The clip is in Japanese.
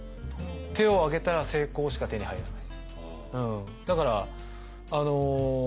手を挙げたら成功しか手に入らない。